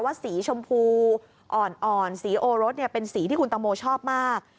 สีชมพูอ่อนสีโอรสเป็นสีที่คุณตังโมชอบมาก